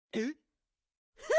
えっ？